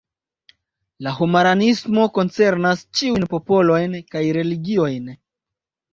La homaranismo koncernas ĉiujn popolojn kaj religiojn.